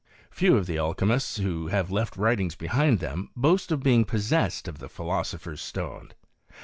Few of the alchymists who have left writings behind them boast of being pos •ened of the philosopher's stone.